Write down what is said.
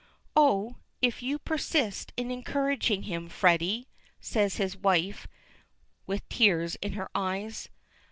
"Oh! if you persist in encouraging him. Freddy!" says his wife with tears in her eyes.